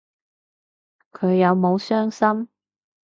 佢有冇傷心